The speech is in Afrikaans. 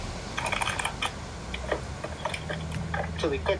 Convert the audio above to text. Die aankoop van kunsafdrukke vir uitleendoeleindes in openbare biblioteke word gestaak.